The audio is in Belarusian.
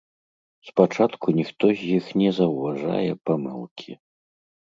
Спачатку ніхто з іх не заўважае памылкі.